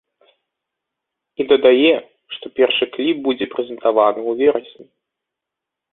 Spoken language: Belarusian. І дадае, што першы кліп будзе прэзентаваны ў верасні.